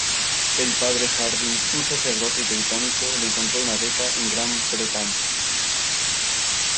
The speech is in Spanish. El padre Harding, un sacerdote británico, le encontró una beca en Gran Bretaña.